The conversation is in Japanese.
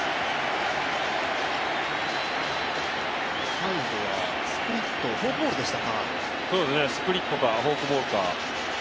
最後はスプリットフォークボールでしたか。